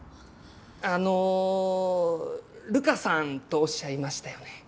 あの瑠華さんとおっしゃいましたよね？